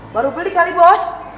baru beli kali bos